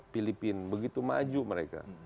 filipina begitu maju mereka